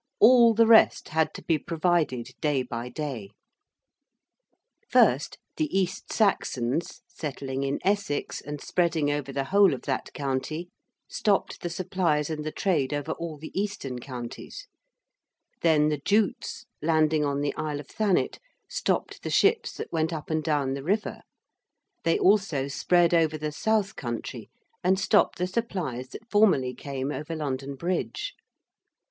All the rest had to be provided day by day. First, the East Saxons, settling in Essex and spreading over the whole of that county, stopped the supplies and the trade over all the eastern counties; then the Jutes, landing on the Isle of Thanet, stopped the ships that went up and down the river; they also spread over the south country and stopped the supplies that formerly came over London Bridge.